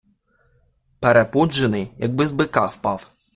Перепуджений, якби з бика впав.